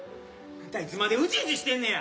あんたいつまでウジウジしてんねや。